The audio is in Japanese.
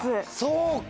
そうか！